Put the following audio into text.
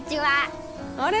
あれ？